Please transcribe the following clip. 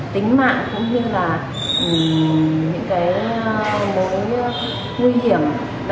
tính mạng cũng như là những cái mối nguy hiểm